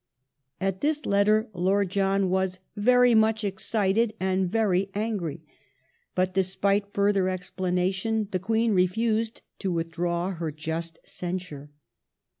At this letter Lord John was " very much excited and very angry," but despite further explanation the Queen refused to withdraw her just censure.